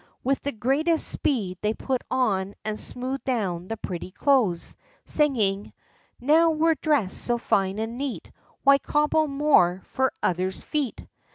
With the greatest speed they put on and smoothed down the pretty clothes, singing: "Now we're dressed so fine and neat, Why cobble more for others' feet?"